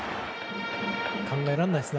考えられないですね。